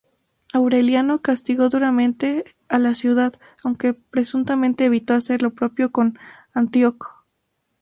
Aureliano castigó duramente a la ciudad, aunque presuntamente evitó hacer lo propio con Antíoco.